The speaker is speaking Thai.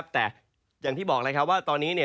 แต่อย่างที่บอกน่ะว่าตอนนี้